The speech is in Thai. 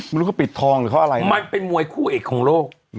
มันก็ปิดทองหรือเขาอะไรนะมันเป็นมวยคู่เอกของโลก